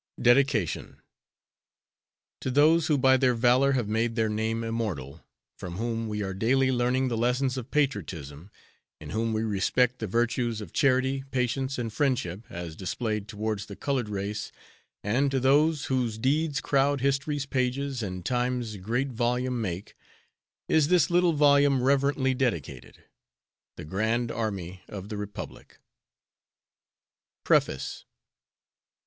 Dedication. To those who by their valor have made their name immortal, from whom we are daily learning the lessons of patriotism, in whom we respect the virtues of charity, patience and friendship as displayed towards the colored race and to those "Whose deeds crowd History's pages And Time's great volume make," is this little volume reverently dedicated THE GRAND ARMY OF THE REPUBLIC. Preface.